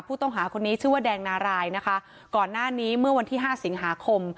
ผู้ต้องหาคนนี้ชื่อว่าแดงนารายนะคะก่อนหน้านี้เมื่อวันที่ห้าสิงหาคม